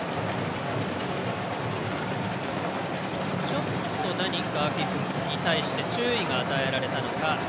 ちょっと何かアフィフに対して注意が与えられたのか。